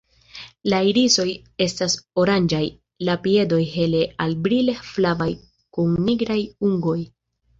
La irisoj estas oranĝaj, la piedoj hele al brile flavaj kun nigraj ungoj.